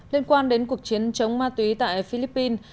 liên quan đến cuộc chiến chống ma túy tại philippines